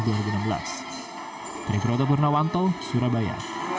dari kota purnawanto surabaya